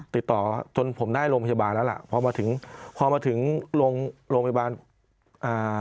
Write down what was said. ติดต่อจนผมได้โรงพยาบาลแล้วล่ะพอมาถึงพอมาถึงโรงพยาบาลอ่า